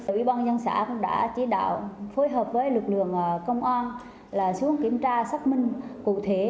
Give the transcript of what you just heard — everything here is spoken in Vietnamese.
ủy ban nhân xã cũng đã chỉ đạo phối hợp với lực lượng công an xuống kiểm tra xác minh cụ thể